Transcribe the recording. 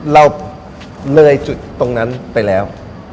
เราเลยจุดตรงนั้นไปแล้ว